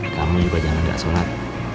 kamu juga jangan gak sholat